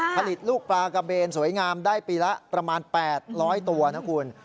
ผลิตลูกปลากระเบนสวยงามได้ปีละประมาณ๘๐๐ตัวนะคุณ